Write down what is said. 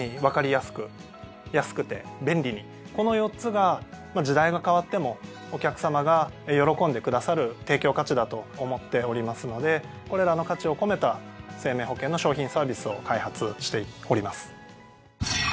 この４つが時代が変わってもお客さまが喜んでくださる提供価値だと思っておりますのでこれらの価値を込めた生命保険の商品サービスを開発しております。